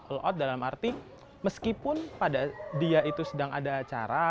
all out dalam arti meskipun pada dia itu sedang ada acara